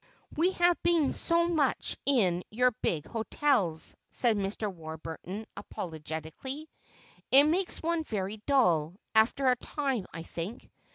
"We have been so much in your big hotels," said Mr. Warburton apologetically. "It makes one very dull, after a time, I think.